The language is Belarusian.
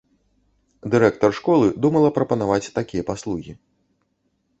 Дырэктар школы думала прапанаваць такія паслугі.